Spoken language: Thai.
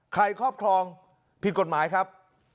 ครอบครองผิดกฎหมายครับ